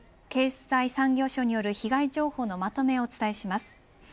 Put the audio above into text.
経済産業省による被害情報のまとめをお伝えします。